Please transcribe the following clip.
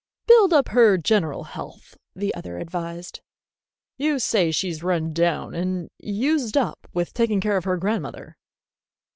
"Build up her general health," the other advised. "You say she's run down and used up with taking care of her grandmother.